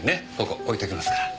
ここ置いときますから。